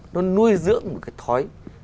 nó nuôi dưỡng một cái thói